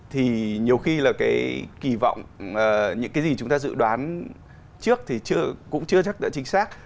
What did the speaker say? thì nhiều khi là cái kỳ vọng những cái gì chúng ta dự đoán trước thì cũng chưa chắc đã chính xác